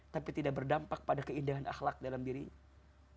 tapi tidak berdampak pada keindahan akhlak dalam dirinya